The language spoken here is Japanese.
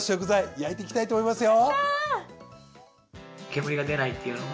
焼いていきたいと思いますよ。